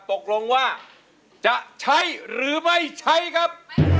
ตกลงว่าจะใช้หรือไม่ใช้ครับ